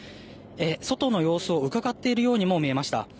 外の様子をうかがっているようにも見えました。